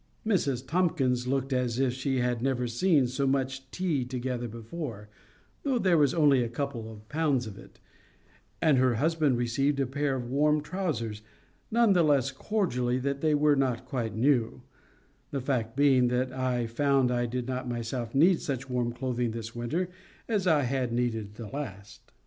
Mrs. Tomkins looked as if she had never seen so much tea together before, though there was only a couple of pounds of it; and her husband received a pair of warm trousers none the less cordially that they were not quite new, the fact being that I found I did not myself need such warm clothing this winter as I had needed the last.